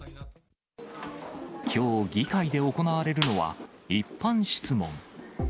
きょう、議会で行われるのは一般質問。